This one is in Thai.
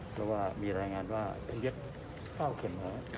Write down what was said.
เพราะว่ามีรายงานว่าเพิงเย็บคราวเข็ม